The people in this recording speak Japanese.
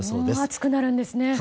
暑くなるんですね。